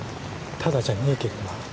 タダじゃねえけどな。